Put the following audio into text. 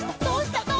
どうした？」